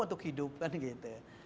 untuk hidup kan gitu